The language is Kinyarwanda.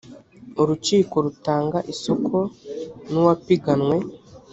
urukiko rutanga isoko n’uwapiganwe